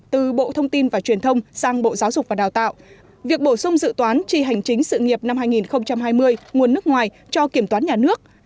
từ bộ thông tin và truyền thông sang bộ giáo dục và đào tạo việc bổ sung dự toán tri hành chính sự nghiệp năm hai nghìn hai mươi nguồn nước ngoài cho kiểm toán nhà nước